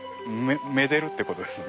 めでるってことです